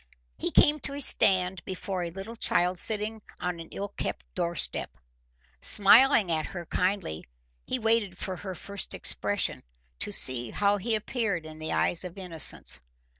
He came to a stand before a little child sitting on an ill kept doorstep. Smiling at her kindly, he waited for her first expression to see how he appeared in the eyes of innocence.